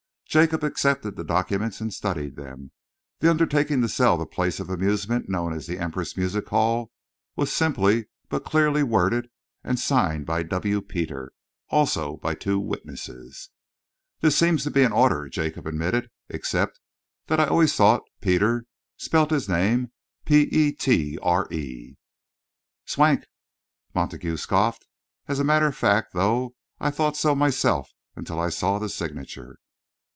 Jacob accepted the documents and studied them. The undertaking to sell the place of amusement known as Empress Music Hall was simply but clearly worded, and signed by "W. Peter"; also by two witnesses. "That seems to be in order," Jacob admitted, "except that I always thought Peter spelt his name 'Petre.'" "Swank," Montague scoffed. "As a matter of fact, though, I thought so myself until I saw the signature."